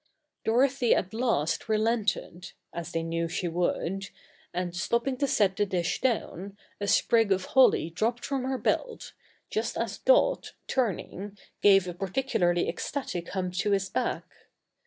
Dorothy at last relented as they knew she would! and, stopping to set the dish down, a sprig of holly dropped from her belt, just as Dot, turning, gave a particularly ecstatic hump to his back.